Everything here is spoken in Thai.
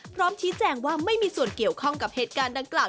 พร้อมชี้แจงว่าไม่มีส่วนเกี่ยวข้องกับเหตุการณ์ดังกล่าว